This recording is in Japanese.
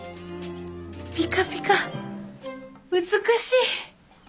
ピカピカ美しい。